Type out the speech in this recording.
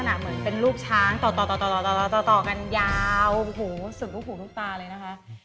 เหมือนเป็นลูกช้างโตกันยาวสืบหูลูกตาเลยนะคะ